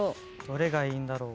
どれがいいんだろう？